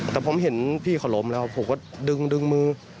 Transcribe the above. แต่ผมเห็นพี่เขาล้มแล้วผมก็ดึงมือ